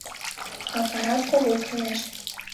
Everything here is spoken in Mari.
Аппарат кугу кӱлеш.